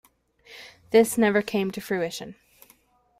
This never came to fruition.